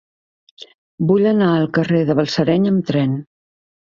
Vull anar al carrer de Balsareny amb tren.